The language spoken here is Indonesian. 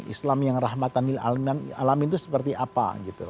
islam yang rahmatan nil alamin itu seperti apa